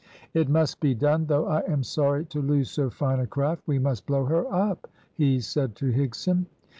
"It must be done, though I am sorry to lose so fine a craft; we must blow her up," he said to Higson.